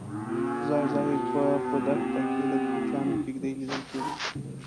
ځای ځای به په دښته کې د کوچیانو کېږدۍ لیدل کېدې.